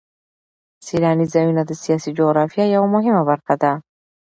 سیلاني ځایونه د سیاسي جغرافیه یوه مهمه برخه ده.